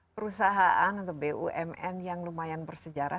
perusahaan atau bumn yang lumayan bersejarah